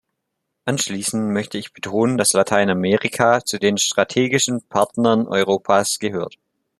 Abschließend möchte ich betonen, dass Lateinamerika zu den strategischen Partnern Europas gehört.